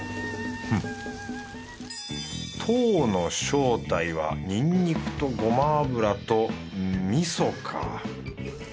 フッ等の正体はニンニクとごま油と味噌か。